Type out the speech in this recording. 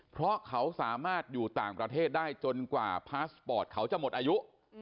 เพราะเขาสามารถอยู่ต่างประเทศได้จนกว่าพาสปอร์ตเขาจะหมดอายุ